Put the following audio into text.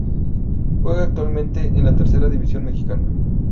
Juega actualmente en la Tercera división mexicana.